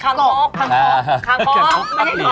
เพราะว่าแต่ละวิธีก็ง่ายทั้งนั้นเลยเนอะ